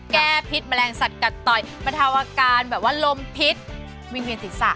พิษแมลงสัตวกัดต่อยบรรเทาอาการแบบว่าลมพิษวิ่งเวียนศีรษะ